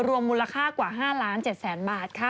มูลค่ากว่า๕๗๐๐๐บาทค่ะ